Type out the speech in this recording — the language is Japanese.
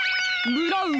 ブラウン！